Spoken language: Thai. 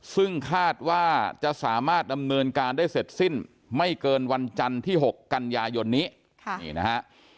ซึ่งคาดว่าจะสามารถดำเนินการได้เสร็จสิ้นไม่เกินวันจันทร์ที่๖กันยายนนี้นี่นะฮะ